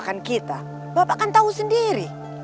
karin tuh gak bisa serius